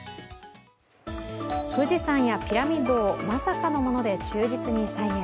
富士山やピラミッドをまさかのもので忠実に再現。